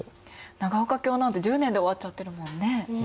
長岡京なんて１０年で終わっちゃってるもんね。